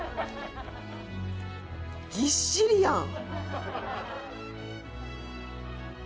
ぎっしりやん！